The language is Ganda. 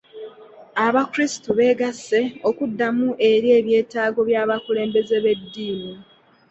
Abakulisitu begasse okuddamu eri ebyetaago by'abakulembeze b'eddiini.